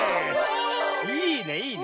いいねいいね。